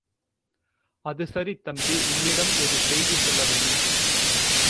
அது சரி தம்பி, உன்னிடம் ஒரு விஷயம் சொல்ல வேணும்.